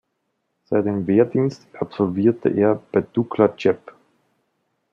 Seinen Wehrdienst absolvierte er bei Dukla Cheb.